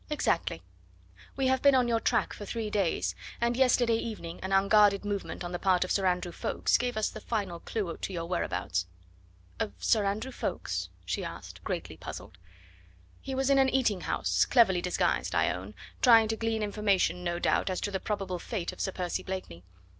"Exactly. We have been on your track for three days, and yesterday evening an unguarded movement on the part of Sir Andrew Ffoulkes gave us the final clue to your whereabouts." "Of Sir Andrew Ffoulkes?" she asked, greatly puzzled. "He was in an eating house, cleverly disguised, I own, trying to glean information, no doubt as to the probable fate of Sir Percy Blakeney.